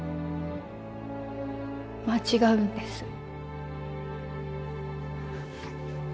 間違うんです。